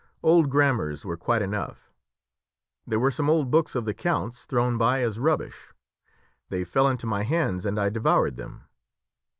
Old grammars were quite enough; there were some old books of the count's, thrown by as rubbish; they fell into my hands, and I devoured them.